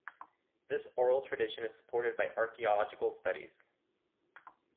This oral tradition is supported by archaeological studies.